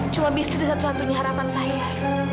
cuma bisnis satu satunya harapan saya